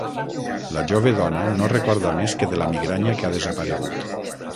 La jove dona no recorda més que de la migranya que ha desaparegut.